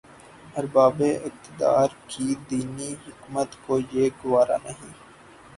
اربابِ اقتدارکی دینی حمیت کو یہ گوارا نہیں